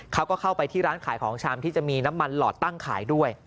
เขาก็เข้าไปที่ร้านขายของชำที่จะมีน้ำมันหลอดตั้งขายด้วย